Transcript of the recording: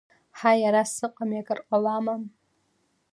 Ҳаи, ара сыҟами, акыр ҟалама?